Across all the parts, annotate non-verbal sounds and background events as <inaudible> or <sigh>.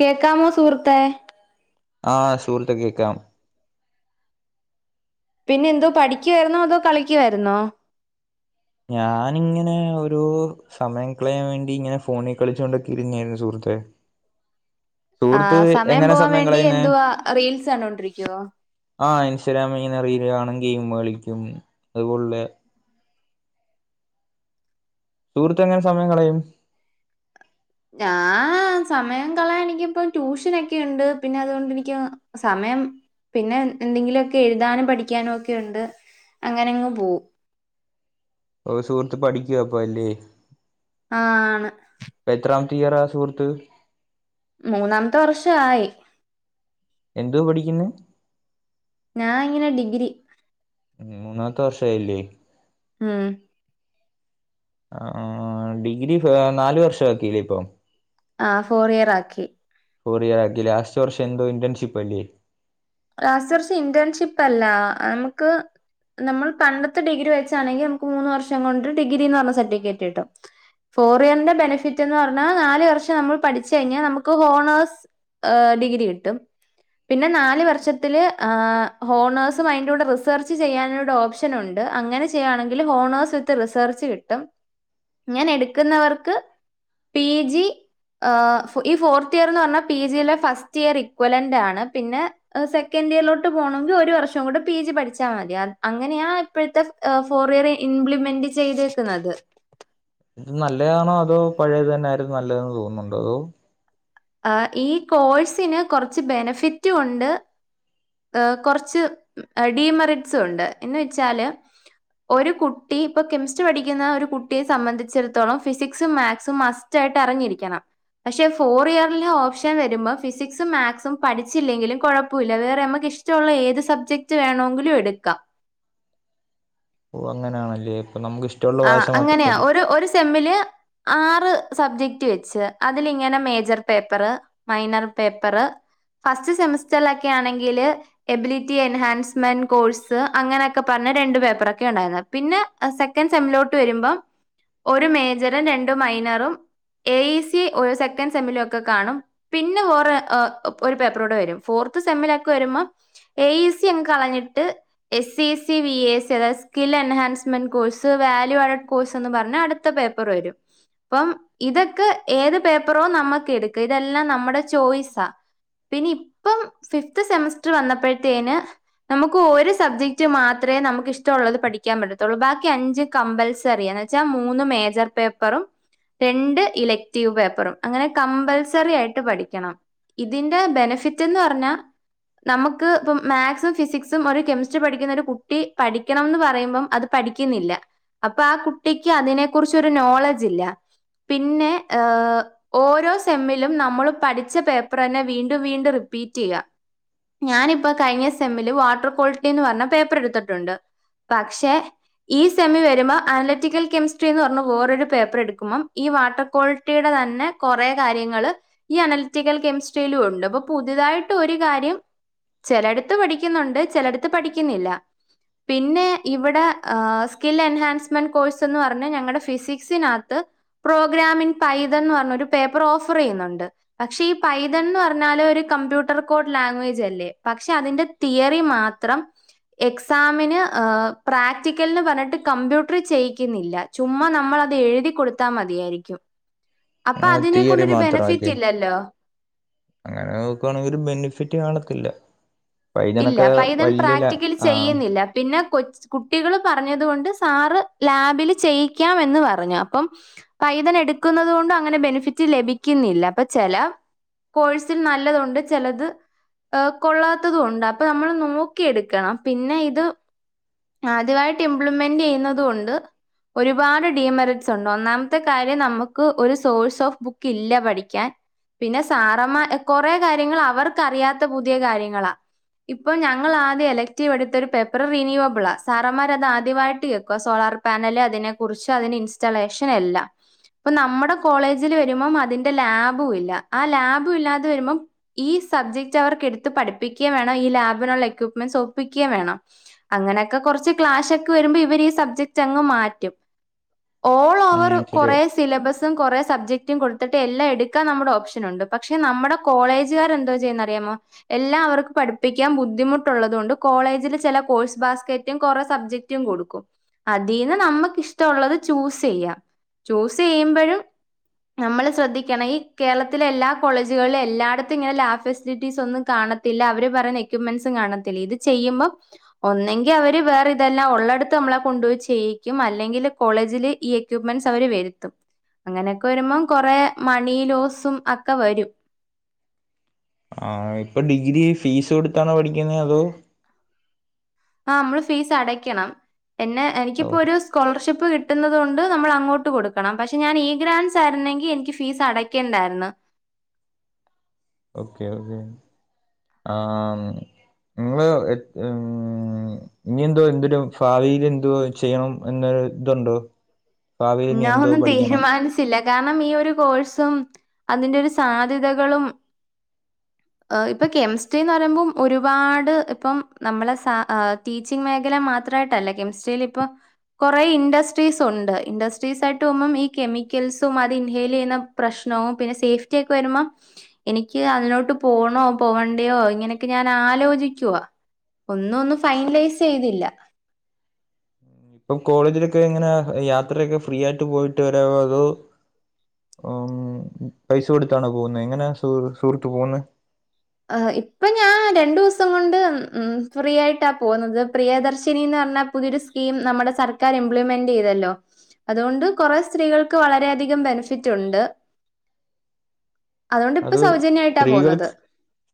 കേക്കാമോ സുഹൃത്തേ? ആഹ് സുഹൃത്തെ കേക്കാം. പിന്നെ എന്തോ പഠിക്കുവായിരുന്നോ അതോ കളിക്കുവായിരുന്നോ? ഞാനിങ്ങനെ ഒരോ സമയം കളയാൻ വേണ്ടി ഇങ്ങനെ ഫോണി കളിച്ചോണ്ടിക്കായിരുന്നു സുഹൃത്തെ. സുഹൃത്ത് ആഹ് സമയം എങ്ങനെ പോവാൻ വേണ്ടി കളയുന്നെ എന്തുവാ റീൽസ് കണ്ടോണ്ടിരിക്ക്യോ? ആഹ് ഇൻസ്റ്റഗ്രാമി ഇങ്ങനെ റീല് കാണും ഗെയിം കളിക്കും അത് പോലുള്ള സുഹൃത്തെങ്ങനെ സമയം കളയും? ഞാൻ സമയം കളയാൻ എനിക്കിപ്പ ട്യൂഷനൊക്കെയുണ്ട് പിന്നെ അതുകൊണ്ടെനിക്ക് സമയം പിന്നെ എന്തെങ്കിലൊക്കെ എഴുതാനും പഠിക്കാനൊക്കെ ഉണ്ട്. അങ്ങനങ്ങ് പോവും. ഓഹ് സുഹൃത്ത് പഠിക്കുവാപ്പല്ലേ? ആഹ് ആണ് ഇപ്പ എത്രാമത്തെ ഇയറാ സുഹൃത്ത്? മൂന്നാമത്തെ വർഷായി. എന്തുവാ പഠിക്കുന്നേ? ഞാനിങ്ങനെ ഡിഗ്രി ഉം മൂന്നാമത്തെ വർഷായില്ലേ? മ്മ് ആഹ് ആഹ് ഡിഗ്രി ഫ് നാല് വർഷാക്കീലേ ഇപ്പം? ആഹ് ഫോറ് ഇയറാക്കി ഫോറിയറാക്കി ലാസ്റ്റ് വർഷം എന്തോ ഇന്റേൺഷിപ്പല്ലേ ലാസ്റ്റ് വർഷം ഇന്റേൺഷിപ്പല്ലാ നമുക്ക് നമ്മൾ പണ്ടത്തെ ഡിഗ്രി വെച്ചാണെങ്കി നമുക്ക് മൂന്ന് വർഷം കൊണ്ട് ഡിഗ്രീന്നു പറഞ്ഞ സർട്ടിഫിക്കറ്റ് കിട്ടും ഫോറിയറിന്റെ ബെനിഫിറ്റ് എന്നു പറഞ്ഞാ നാല് വർഷം നമ്മള് പഠിച്ച് കഴിഞ്ഞാ നമുക്ക് ഹോണേഴ്സ് ഏ ഡിഗ്രി കിട്ടും പിന്നെ നാല് വർ ഷത്തില് ഏ ഹോണേഴ്സും അയിന്റെ കൂടെ റിസേർച്ചു ചെയ്യാനൂടെ ഓപ്ഷനുണ്ട് അങ്ങനെ ചെ ചെയ്യാണെങ്കിൽ ഹോണേഴ്സ് വിത്ത് റിസേർച്ചു കിട്ടും ഇങ്ങനെ ഇട്ക്കുന്നവർക്ക് പിജി ഏ ഈ ഫോർത്ത് ഇയറ്ന്ന് പറഞ്ഞാ പിജിയിലെ ഫസ്റ്റ് ഇയർ ഇക്വലന്റാണ് പിന്നെ സെക്കന്റിയറിലോട്ടു പോണെങ്കി ഒര് വർഷം കൂടെ പിജി പഠിച്ചാ മതി അങ്ങനെയാ ഇപ്പയത്തെ ഫോറ് ഇയറ് ഇംപ്ലിമെന്റ് ചെയ്തേക്കുന്നത് ഇത് നല്ലയാണോ അതോ പഴയതുതന്നെ ആയിരുന്നോ നല്ലതെന്നു തോന്നുന്നുണ്ടോ അതോ ആഹ് ഈ കോഴ്സിന് കൊറച്ച് ബെനഫിറ്റും ഉണ്ട് ഏ കൊറച്ച് ഡീ മെറിറ്റ്സുണ്ട് എന്ന് വെച്ചാല് ഒരു കുട്ടി ഇപ്പൊ കെമിസ്ട്രി പഠിക്കുന്ന ഒരു കുട്ടിയെ സംബന്ധിച്ചിടത്തോളം ഫിസിക്സും മേക്സും മസ് റ്റായിട്ടും അറിഞ്ഞിരിക്കണം. പക്ഷെ ഫോറിയറിലെ ഓപ്ഷൻ വരുമ്പോ ഫിസിക്സും മേക്സും പഠിച്ചില്ലെങ്കിലും കുഴപ്പല്ല വേറെ നമ്മ ഇഷ്ട്ടള്ള ഏത് സബ്ജക്റ്റ് വേണോങ്കിലും എട്ക്കാ ഓഹ് അങ്ങനെയാണല്ലേ ഇപ്പ നമുക്കിഷ് ആഹ് അങ്ങനെയാ ഒരു ഒരു സെമ്മില് ആറ് സബ്ജക്ടു വെച്ച് അതിലിങ്ങനെ major paper minor paper first സെമസ്റ്ററിലൊക്കെ ആണെങ്കില് എബിലിറ്റി എൻഹാൻസ്മെന്റ് കോഴ്സ് അങ്ങനെയൊക്കെ പറഞ്ഞ രണ്ട് പേപ്പറൊക്കെ ഉണ്ടായിരുന്നു പിന്നെ അത് സെക്ക സെക്കൻ സെമ്മിലോട്ട് വരുമ്പം ഒരു മേജറും രണ്ടു മൈനറും എ. ഇ. സി ഒരു സെക്കൻ സെമ്മിലുവൊക്കെ കാണും പിന്നെ വേറെ എഹ് ഒരു പേപ്പറൂടെ വരും ഫോർത്തു സെമ്മിലൊക്കെ വരുമ്പം എ ഇ സി അങ്ങ് കളഞ്ഞിട്ട് S C C V A S C അതായത് skill enhancement course value added കോഴ്സെന്നു പറഞ്ഞ അടുത്ത പേപ്പർ വരും അപ്പം ഇതൊക്കെ ഏത് പേപ്പറോ നമ്മുക്കെടുക്കും ഇതെല്ലാം നമ്മുടെ ചോയ്സാ പിന്നെയിപ്പം ഫിഫ്തു സെമസ്റ്റർ വന്നപ്പഴത്തേന് നമുക്ക് ഒരു സബ്ജക്റ്റ് മാത്രേ നമുക്കിഷ്ടമുള്ളതു പഠിക്കാൻ പറ്റത്തൊള്ളൂ ബാക്കി അഞ്ച് കമ്പൽസറി എന്നു വെച്ചാ മൂന്നു മേജർ പേപ്പറും രണ്ട് ഇലക്റ്റീവു പേപ്പറും അങ്ങനെ കമ്പൽസറിയായിട്ടു പഠിക്കണം ഇതിന്റെ ബെനഫിറ്റെന്നു പറഞ്ഞാ നമുക്ക് ഇപ്പം മാത്സും, ഫിസിക്സും, ഒരു കെമിസ്ട്രി പഠിക്കുന്നയൊരു കുട്ടി പഠിക്കണമെന്നു പറയുമ്പം അത് പഠി ക്കുന്നില്ല, അപ്പൊ ആ കുട്ടിക്കതിനെ കുറിച്ചൊരു നോളജില്ല പിന്നെ, ഏഹ് ഓരോ സെമ്മിലും നമ്മള് പഠിച്ച പേപ്പർതന്നെ വീണ്ടും, വീണ്ടും റിപ്പീറ്റെയ്യാ ഞാനിപ്പൊ കഴിഞ്ഞ സെമ്മില് വാട്ടർ ക്വാളിറ്റിയെന്നു പറഞ്ഞ പേപ്പറെടുത്തിട്ടുണ്ട്. പക്ഷെ ഈ സെമ്മില് വരുമ്പം അനലറ്റിക്കൽ കെമിസ്ട്രിയെന്നു പറഞ്ഞ വേറൊരു പേപ്പറെടുക്കുമ്പം ഈ വാട്ടർ കോളി ക്വാളിറ്റിയുടെ തന്നെ കൊറേ കാര്യങ്ങള് ഈ അനലറ്റിക്കൽ കെമിസ്ട്രിയിലുവുണ്ട് അപ്പൊ പുതുതായിട്ടൊരു കാര്യം ചെലയെടുത്തു പഠിക്കുന്നുണ്ട്. ചെലയെടുത്ത് പഠിക്കുന്നില്ല, പിന്നെയിവിടെ ആഹ് സ്കിൽ എൻഹാൻസ്മെന്റ് കോഴ്സെന്ന് പറഞ്ഞ് ഞങ്ങടെ ഫിസിക്സിനകത്ത് പ്രോഗ്രാമിൻപൈതം എന്നു പറഞ്ഞൊരു പേപ്പർ ഓഫറെയ്യുന്നുണ്ട് പക്ഷെ ഈ പൈതന്ന് പറഞ്ഞാല് ഒരു കമ്പ്യൂട്ടർ കോഡ്ലാംഗ്വേജല്ലേ?, പക്ഷെ അതിന്റെ തിയറി മാത്രം എക്സാമിന് ആ പ്രാക് റ്റിക്കൽന്നു പറഞ്ഞിട്ട് കമ്പ്യൂട്ടറിൽ ചെയ്യിക്കുന്നില്ല ചുമ്മാ നമ്മളതെഴുതി കൊടുത്താ മതിയായിരിക്കും അപ്പൊ അതിനെ തിയറി കൊണ്ടൊരു മാത്രമല്ലേ ബെനിഫിറ്റില്ലല്ലോ? അങ്ങനെ നോക്കുവാണെങ്ക ഒരു ബെനിഫിറ്റ് കാണത്തില്ല ഇല്ല വൈദ്യനൊക്കെ പൈതൺ വലിയ ല പ്രാക്ടിക്കല് ആഹ് ചെയ്യുന്നില്ല പിന്നെ കൊ കുട്ടികള് പറഞ്ഞത് കൊണ്ട് സാറ് ലാബില് ചെയ്യിക്കാംമെന്ന് പറഞ്ഞു അപ്പം പൈതനെടുക്കുന്നത് കൊണ്ടും അങ്ങനെ ബെനിഫിറ്റ് ലഭിക്കുന്നില്ല അപ്പൊ ചെല കോഴ്സിൽ നല്ലതുണ്ട് ചെലത് കൊള്ളാത്തതും ഉണ്ട് അപ്പൊ നമ്മള് നോക്കിയെടുക്കണം പിന്നെ ഇത് ആദ്യമായിട്ട് ഇംപ്ലിമെന്റെയ്യുന്നത് കൊണ്ട് ഒരുപാട് ഡീമെറിറ്റ്സുണ്ട് ഒന്നാമത്തെ കാര്യം നമുക്ക് ഒരു സോഴ്സ് ഓഫ് ബുക്ക്ല്ല പഠിക്കാൻ പിന്നെ സാറമ്മ കൊറേ കാര്യങ്ങൾ അവർക്കറിയാത്ത പുതിയ കാര്യങ്ങളാ ഇപ്പൊ ഞങ്ങൾ ആദ്യം ഇലക്ട്രീവ് എടുത്ത ഒരു പേപ്പർ റിനീവബിളാ സാറമ്മാരത് ആദ്യവായിട്ട് കേൾക്കുവ സോളാർ പാനല് അതിനെ കുറിച്ച് അതിന് ഇൻസ്റ്റളേഷൻ എല്ലാം ഇപ്പൊ നമ്മുടെ കോളേജില് വരുമ്പം അതിന്റെ ലാബും ഇല്ല ആ ലാബും ഇല്ലാതെ വരുമ്പം ഈ സബ്ജക്ട് അവർക്ക് എടുത്ത് പഠിപ്പിക്കേം വേണം ഈ ലാബിനുള്ള എക്യൂപ്മെന്റ്സ് ഒപ്പിക്കേം വേണം അങ്ങനെയൊക്കെ കൊറച്ച് ക്ലാഷൊക്കെ വരുമ്പം ഇവരീ സബ്ജക്റ്റങ്ങ് മാറ്റും ഉം ഓളോവർ ശരിയ കൊറേ സിലബസും കൊറേ സബ്ജക്റ്റും കൊടുത്തിട്ട് എല്ലാം എടുക്കാൻ നമ്മുടെ ഓപ്ഷനുണ്ട് പക്ഷെ നമ്മുടെ കോളേജുകാർ എന്തോ ചെയ്യുന്നറിയാമോ എല്ലാം അവർക്ക് പഠി പ്പിക്കാൻ ബുദ്ധിമുട്ടുള്ളതു കൊണ്ട് കോളേജില് ചെല കോഴ്സ് ബാസ്കറ്റും കൊറേ സബ്ജക്റ്റും കൊടുക്കും അതീന്ന് നമ്മക്ക് ഇഷ്ടമുള്ളത് ചൂസെയ്യാം ചൂസ് ചെയ്യുമ്പഴും നമ്മൾ ശ്രദ്ധിക്കണം ഈ കേരളത്തിലെ എല്ലാ കോളേജുകളിലും എല്ലായിടത്തും. ഇങ്ങനെ ലാബ് ഫെസിലിറ്റീസ് ഒന്നും കാണ ല്ല അവര് പറയുന്ന എക്യപ്മെന്റ്സും കാണത്തില്ല. ഇത് ചെയ്യുമ്പോം. ഒന്നെങ്കി അവര് വേറെ ഇതെല്ലാം ഉള്ളടുത്ത് നമ്മളെ കൊണ്ടുപയി ചെയ്യിക്കും. അല്ലെങ്കിൽ കോളേജില് ഈ എക്യൂപ്മെന്റ്സ് അവര് വരുത്തും അങ്ങനെയൊക്കെ വരുമ്പോം കൊറെ മണി ലോസും അക്കെ വരും. ആ ഇപ്പൊ ഡിഗ്രി ഫീസ് കൊടുത്താണോ പഠിക്കുന്നത് അതോ? ആ നമ്മള് ഫീസ് അടക്കണം. എന്നെ ഓ എനിക്കിപ്പോ ഒരു. സ്കോളർഷിപ്പ് കിട്ടുന്നുന്നത് കൊണ്ട്. നമ്മൾ അങ്ങോട്ട് കൊടുക്കണം. പക്ഷെ ഞാൻ ഈ ഗ്രാൻസ് ആരുന്നെങ്കിൽ എനിക്ക് ഫീസ് അടയ്ക്കേണ്ടായിരുന്നു. ഓക്കെ ഓക്കേ ആ നിങ്ങള് <inaudible> ഇനി എന്തോ എന്തൊരു ഭാവിൽ എന്തോ ചെയ്യണം എന്നൊ ഇതുണ്ടോ? ഭാവിയിൽ ഇനി ഞാൻ എന്തോ ഒന്നും പഠിക്കണം തീരുമാനിച്ച കാരണം ഈ ഒരു കോഴ്സും അതിന്റെ ഒരു സാധ്യതകളും. ഇപ്പൊ കെമിസ്ട്രിന്ന് പറയുമ്പോം ഒരുപാട് ഇപ്പം നമ്മളെ സ ടീച്ചിങ് മേഖല മാത്രമായിട്ടല്ല. കെമസ്ട്രിൽ ഇപ്പപ്പോ കുറേ ഇൻഡസ്ട്രീസ് ഉണ്ട് ഇഡസ്ട്ര യിട്ട് പോകുമ്പോ ഈ കെമിക്കൽസും അത് ഇൻഹെയിൽ ചെയ്യുന്ന പ്രശ്നവും. പിന്നെ സേഫ്റ്റി ഒക്കെ വരുമ്പോ എനിക്ക് അതിനോട്ട് പോണോ പോവണ്ടയോ ഇങ്ങനെയൊക്കെ ഞാൻ ആലോചിക്കുവ. ഒന്നും ഒന്നും ഫൈനലൈസ് ചെയ്തില്ല. ഇപ്പം കോളേജിലൊക്കെ എങ്ങനെ യാത്രയൊക്കെ ഫ്രീ ആയിട്ട് പോയിട്ട് വരവോ അതോ? പൈസ കൊടുത്താണോ പോകുന്നത് എങ്ങനെയാ സ സുഹൃത്ത് പോകുന്നത്. ഇപ്പൊ ഞാൻ രണ്ടു ദിവസം കൊണ്ട് ഉ ഫ്രീ ആയിട്ടാ പോകുന്നത്. പ്രിയദർശിനിന്ന് പറഞ്ഞാ. പുതിയൊരു സ്കീം നമ്മുടെ സർക്കാർ ഇംപ്ലിമെന്റ് ചെയ്തല്ലോ? അതുകൊണ്ട് കുറെ സ്ത്രീകൾക്ക്. വളരെയധികം ബെനിഫിറ്റ് ഉണ്ട്. അതുകൊണ്ട് ഇപ്പ അത് സൗജന്യമായിട്ടാ പോകുന്നത്. സ്ത്രീകൾക്ക്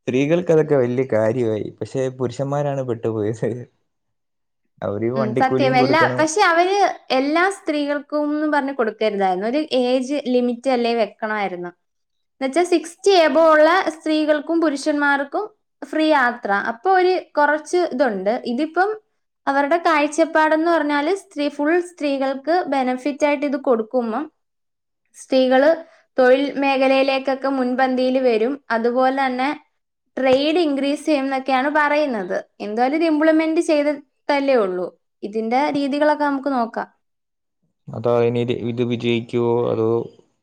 സ്ത്രീകൾക്ക് അതൊക്കെ വലിയ കാര്യമായി പക്ഷെ പുരുഷന്മാരാണ് പെട്ടുപോയത്. അവര് ഉം സത്യം വണ്ടിക്കൂലിയും എല്ലാ കൊടുക്കണം പക്ഷെ അവര്. എല്ലാ സ്ത്രീകൾക്കും ന്ന് പറഞ്ഞ് കൊടുക്കരുതായിരുന്നു. ഒരു ഏജ് ലിമിറ്റ് അല്ലെ വെക്കണമായിരുന്നു. എന്ന വെച്ചാൽ സിക്സ്റ്റി എബോ ഉള്ള സ്ത്രീകൾക്കും. പുരുഷന്മാർക്കും. ഫ്രീ യാത്ര അപ്പൊ ഒരുര് കൊറച്ച് ഇതുണ്ട് ഇതിപ്പം. അവരുടെ കാഴ്ചപ്പാട്ന്ന് പറഞ്ഞാല് സ്ത്രീ ഫുൾ സ്ത്രീകൾക്ക് ബെനഫിറ്റ് ആയിട്ട് ഇത് കൊടുക്കുമ്പം. സ്ത്രീകള്. തൊഴിൽ മേഖലയിലേക്കൊക്കെ മുൻപന്തിയിൽ വരും. അതുപോലെ തന്നെ. ട്രേഡ് ഇൻക്രീസ് ചെയ്യും എന്നൊക്കെയാണ് പറയുന്നത്. എന്തായാലും ഇത് ഇംപ്ലിമെന്റ് ചെയ്ത്. തല്ലേ ഉള്ളൂ ഇതിന്റെ രീതികളൊക്കെ നമുക്ക് നോക്കാം. അതാ ഇനിത് ഇത് വിജയിക്കുവോ അതോ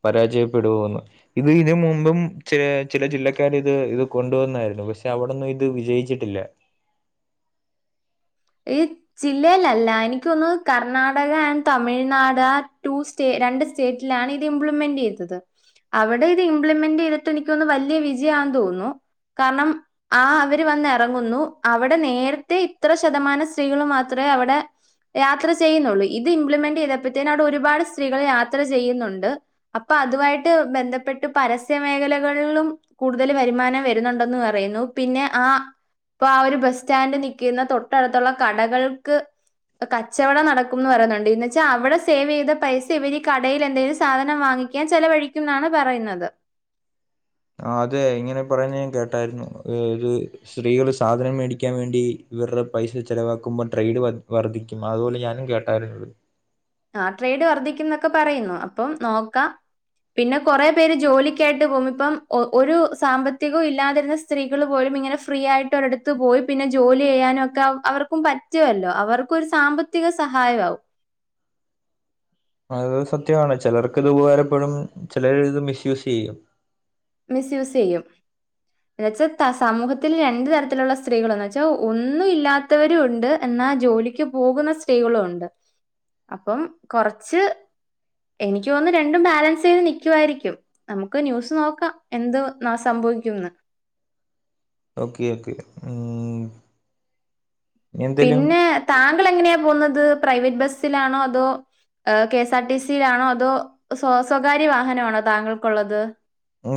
പരാജയപ്പെടുവോന്ന്. ഇത് ഇതിനന് മുമ്പും. ചില ചില ജില്ലക്കാര് ഇത് ഇത് കൊണ്ടുവന്നായിരുന്നു. പക്ഷെ അവിടൊന്നും ഇത് വിജയിച്ചിട്ടില്ല. ഈ ജില്ലയിലല്ല എനിക്കൊന്ന് കർണാടക ആൻഡ് തമിഴ്നാട് ആ ടൂസ്റ്റ് രണ്ട് സ്റ്റേറ്റിലാണ് ഇത് ഇംപ്ലിമെന്റ് ചെയ്തത്. അവിടെ ഇത് ഇംപ്ലിമെന്റ് ചെയ്തിട്ട് എനിക്കൊന്ന് വലിയ വിജയന്ന് തോന്നുന്നു. കാരണം ആ അവര് വന്ന് ഇറങ്ങുന്നു അവിടെ നേരത്തെ ഇത്ര ശതമാനം സ്ത്രീകൾ മാത്രമേ അവിടെ യാത്ര ചെയ്യുന്നുള്ളൂ ഇത് ഇംപ്ലിമെന്റ് ചെയ്തപ്പോഴത്തേന അവിടെ ഒരുപാട് സ്ത്രീകൾ യാത്ര ചെയ്യുന്നുണ്ട്. അപ്പൊ അതുമായിട്ട് ബന്ധപ്പെട്ട് പരസ്യ മേഖലകളിലും. കൂടുതൽ വരുമാനം വരുന്നുണ്ടെന്ന് പറയുന്നു. പിന്നെ ആ ഇപ്പൊ ആ ഒരു ബസ് സ്റ്റാൻഡ് നിൽക്കുന്ന തൊട്ടടുത്തുള്ള കടകൾക്ക്. കച്ചവടം നടക്കുംന്ന് പറയുന്നുണ്ട്. എന്നന്ന് വെച്ചാൽ അവിടെ സേവ് ചെയ്ത പൈസ ഇവര് ഈ കടയിൽ എന്തെിലും. സാധനം വാങ്ങിക്ക ക്കാൻ ചെലവഴിക്കും ന്നാണ് പറയുന്നത്. ആഹ് അതെ ഇങ്ങനെ പറയുന്ന് ഞാൻ കേട്ടായിരുന്നു ഒരു സ്ത്രീകള് സാധനം മേടിക്കാൻ വേണ്ടി ഇവരുടെ പൈസ ചെലവാക്കുമ്പൊ ട്രേഡ് വ വർദ്ധിക്കും ഉം അതുപോലെ ഞാനും കേട്ടായിരുന്നു ആഹ് ട്രേഡ് വർധിക്കുന്നൊക്കെ പറയുന്നു അപ്പം നോക്കാ പിന്നെ കൊറേ പേര് ജോലിക്കായിട്ട് പോമ്പം ഇപ്പം ഒരു സാമ്പത്തികവും ഇല്ലാതിരുന്ന സ് ത്രീകള് പോലും ഇങ്ങനെ ഫ്രീ ആയിട്ട് ഒരിടത്ത് പോയി പിന്നെ ജോലി ചെയ്യാനും ഒക്കെ അ അവർക്കും പറ്റ റ്റുവല്ലോ. അവർക്കൊരു സാമ്പത്തിക സഹായമാവും. അത് സത്യമാണ്. ചെലർക്കത് ഉപകാരപ്പെടും. ചെലർ ഇത് മിസ് യൂസെയ്യും. മിസ് യൂസെയ്യും ന്ന് വെച്ചാ സമൂഹത്തില് രണ്ടു തരത്തിലുള്ള സ്ത്രീകളന്ന് വെച്ചാ ഒന്നും ഇല്ലാ ത്തവരും ഉണ്ട്. എന്നാ ജോലിക്ക് പോകുന്ന സ്ത്രീകളും ഉണ്ട്. അപ്പം കൊറച്ച് എനിക്ക് തോന്നുന്നു രണ്ടും ബാലൻസ് ചെയ്ത് നിക്കുവായിരിക്കും നമുക്ക് ന്യൂസ് നോക്കാം എന്തു ന്നാ സംഭവിക്കുന്ന് ഓക്കെ ഓക്കെ ഉം എന്തേലും പിന്നെ താങ്കൾ എങ്ങനെയാ പോവുന്നത് പ്രൈവറ്റ് ബസ്സിലാണോ അതോ കെ എസ് ആർ ടി സിയിലാണോ അതോ സ്വ സ്വകാര്യ വാഹനമാണോ താങ്കൾക്കുള്ളത്?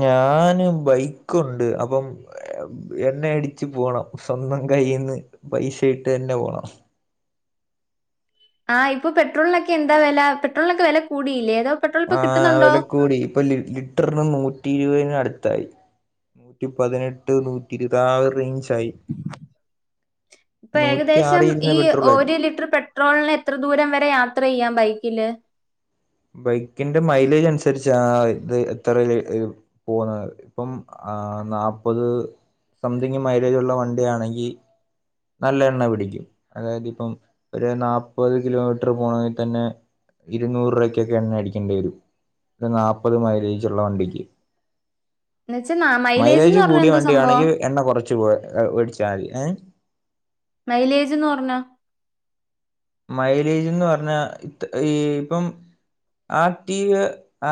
ഞാന് ബൈക്ക് ഉണ്ട് അപ്പം എണ്ണ അടിച്ച് പോണം. സ്വന്തം കയ്യിന്ന് പൈസ ഇട്ട് തന്നെ പോണം. ആഹ് ഇപ്പൊ പെട്രോൾനൊക്കെ എന്താ വെല പെട്രോൾനൊക്കെ വെല കൂടിയില്ലേ അതോ പെട്രോൾ ഇപ്പൊ ആഹ് കിട്ടുന്നുണ്ടോ? വെല കൂടി. ഇപ്പൊ ലി ലിറ്റർന് നൂറ്റി ഇരുവയ്ന് അടുത്തായി നൂറ്റിപ്പതിനെട്ട് നൂറ്റി ഇര്ദ് ആ ഒരു റേഞ്ചായി പ്പ നൂറ്റി ഏകദേശം ആറിരുന്ന ഈ പെട്രോളായിരുന്നു ഒരു ലിറ്റർ പെ ട്രോൾന് എത്ര ദൂരം വരെ യാത്രയ്യാം ബൈക്കില് ബൈക്കിന്റെ മൈലേജ് അൻസര്ച്ചാ ആ ഇത് എത്ര രു പോവുന്നത്. ഇപ്പം നാപ്പത് സംതിങ് മൈലേജുള്ള വണ്ടി ആണെങ്കി നല്ല എണ്ണ പിടിക്കും. അതായത് ഇപ്പം ഒരു നാപ്പത് കിലോമീറ്റർ പോണങ്കി തന്നെ ഇരുന്നൂറ് രൂവയ്ക്കൊക്കെ എണ്ണ അടിക്കേണ്ടി വരും. ഒരു നാപ്പത് മൈലേജ്ള്ള വണ്ടിക്ക് എന്ന് വെച്ചാ മൈലേജ്ന്ന് മൈലേജ് പറഞ്ഞ കൂടിയ എന്തോ സംഭവം വണ്ടിയാണെങ്കി എണ്ണ കൊറച്ച് പോ വേടിച്ചാതി ഏ മൈലേജ്ന്ന് പർഞ്ഞ മൈലേജ്ന്ന് പർഞ്ഞാ ഈ ഇപ്പം ആക്റ്റീവ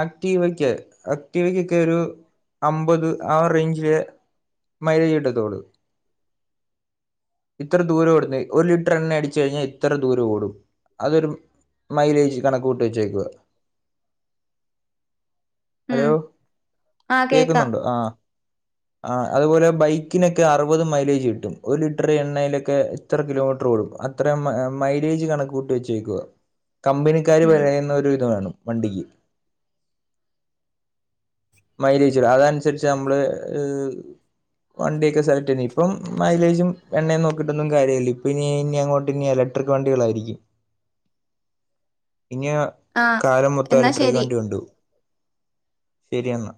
ആക്ടീവക്ക് ആക്ടീവക്കൊക്കെ ഒരു അമ്പത് ആ ഒരു റേഞ്ചിലെ മൈലേജ് കിട്ടത്തള്ളു ഇത്ര ദൂരം ഓടുന്ന ഒരു ലിറ്റർ എണ്ണ അടിച്ചു കഴിഞ്ഞാ ഇത്ര ദൂരം ഓടും അതൊരു മൈലേജ് കണക്കൂട്ടി വച്ചേക്കുവ ഹലോ ഉം ആ കേക്കാം കേക്കുന്നുണ്ടോ ആഹ് ആഹ് അതുപോലെ ബൈക്കിനൊക്കെ അറുപത് മൈലേജ് കിട്ടും ഒരു ലിറ്റർ എണ്ണയിലൊക്കെ ഇത്ര കിലോമീറ്റർ ഓടും അത്ര മ മൈലേജ് കണക്ക് കൂട്ടി വെച്ചേക്കുവാ കമ്പനിക്കാര് ഉം പറയുന്ന ഒരു ഇതു വേണം വണ്ടിക്ക് മൈലേജ് അതൻസര്ച്ച് അമ്മള് വണ്ടിയൊക്കെ സെലക്ടെന്നെ ഇപ്പം മൈലേജും എണ്ണയും നോക്കിട്ടൊന്നും കാര്യവില്ല ഇപ്പ ഇനി ഇനി അങ്ങോട്ട് ഇനി എല ട്രിക് വണ്ടികളായിരിക്കും. ഇനി ആ കാലം മൊത്തം എന്നാ എലട്രിക്ക് ശരി വണ്ടി കൊണ്ടോവും ശെരി എന്നാ